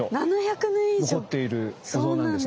残っているお像なんですね。